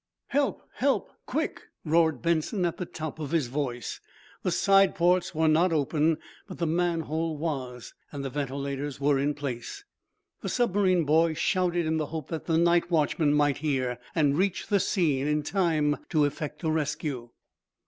"Help! Help, quick!" roared Benson at the top of his voice. The side ports were not open, but the manhole was, and the ventilators were in place. The submarine boy shouted in the hope that the night watchman might hear and reach the scene in time to effect a rescue.